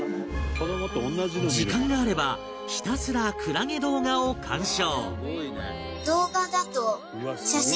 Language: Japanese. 時間があればひたすらクラゲ動画を鑑賞